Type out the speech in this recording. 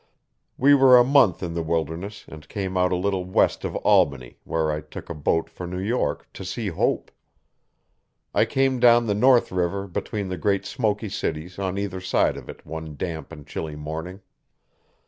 We were a month in the wilderness and came out a little west of Albany where I took a boat for New York to see Hope. I came down the North River between the great smoky cities, on either side of it, one damp and chilly morning.